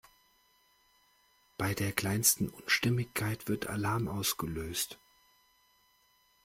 Bei der kleinsten Unstimmigkeit wird Alarm ausgelöst.